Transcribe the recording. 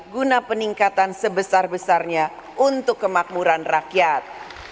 guna peningkatan sebesar besarnya untuk kemakmuran rakyat